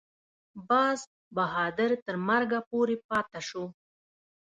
باز بهادر تر مرګه پورې پاته شو.